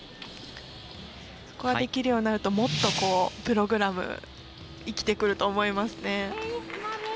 そこができるようになるともっとプログラム生きてくると思いますね。